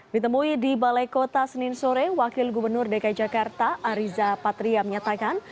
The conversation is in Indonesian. ditemui di balai kota senin sore wakil gubernur dki jakarta ariza patria menyatakan